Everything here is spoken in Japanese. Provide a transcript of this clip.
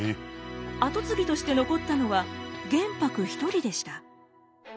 後継ぎとして残ったのは玄白一人でした。